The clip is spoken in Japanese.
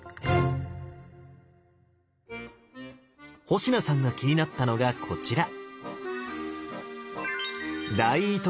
星名さんが気になったのがこちら。